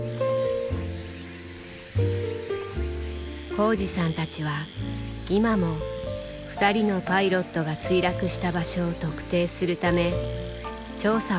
幸治さんたちは今も２人のパイロットが墜落した場所を特定するため調査を続けています。